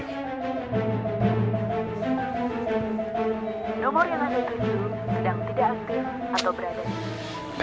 nomor yang ada tujuh